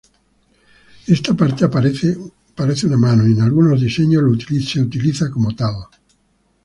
Esta parte parece una mano, y en algunos diseños lo utiliza como tal.